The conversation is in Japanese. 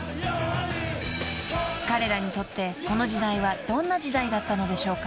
［彼らにとってこの時代はどんな時代だったのでしょうか？］